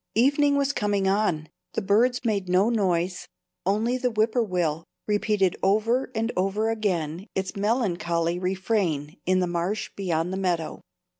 Evening was coming on. The birds made no noise; only the whip poor will repeated over and over again its melancholy refrain in the marsh beyond the meadow.